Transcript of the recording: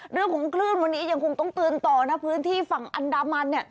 เรื่องของคลื่นวันนี้ยังคงต้องเตือนต่อนะพื้นที่ฝั่งอันดามันเนี่ย